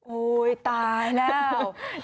โอ้ยตายแล้ว